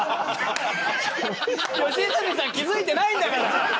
良純さん気づいてないんだから！